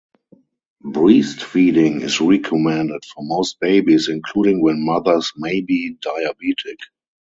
Breast feeding is recommended for most babies, including when mothers may be diabetic.